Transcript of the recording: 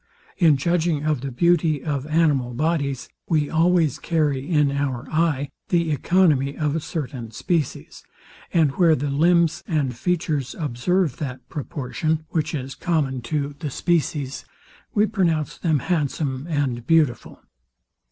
In judging of the beauty of animal bodies, we always carry in our eye the economy of a certain species; and where the limbs and features observe that proportion, which is common to the species, we pronounce them handsome and beautiful.